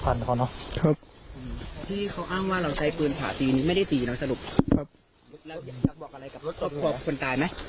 คุณคุณค่ะ